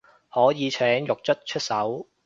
可以請獄卒出手